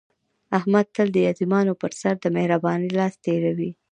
احمد تل د یتیمانو په سر د مهر بانۍ لاس تېروي.